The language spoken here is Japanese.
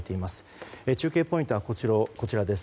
中継ポイントはこちらです。